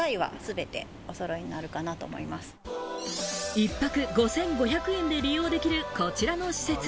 一泊５５００円で利用できる、こちらの施設。